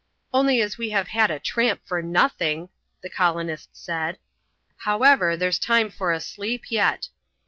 "Only as we have had a tramp for nothing," the colonist said. "However, there's time for a sleep yet.